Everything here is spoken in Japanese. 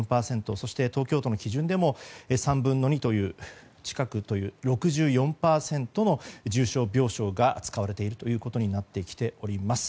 そして、東京都の基準でも３分の２近く６４％の重症病床が使われていることになってきています。